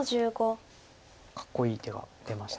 かっこいい手が出ました。